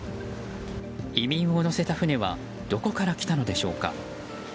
移民を乗せた船はどこから来たのでしょうか。